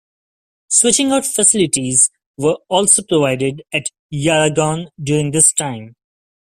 Switching out facilities were also provided at Yarragon during this time.